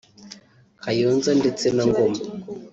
Kayonza ndetse na Ngoma